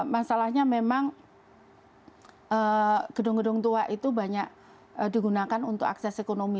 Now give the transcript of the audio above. masalahnya memang gedung gedung tua itu banyak digunakan untuk akses ekonomi